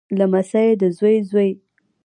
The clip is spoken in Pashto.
لمسی دزوی زوی